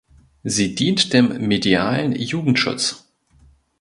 Sie dient dem medialen Jugendschutz.